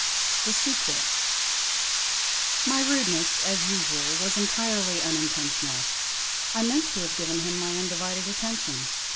M THE SEQUEL Y rudeness, as usual, was entirely unintentional ; I meant to have given him my undivided attention.